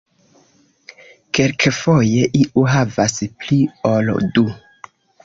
Kelkfoje iu havas pli ol du.